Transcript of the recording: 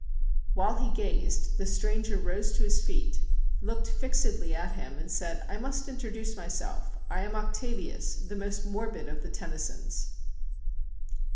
While he gazed, the stranger rose to his feet, looked fixedly at him, and said, "I must introduce myself; I am Octavius, the most morbid of the Tennysons."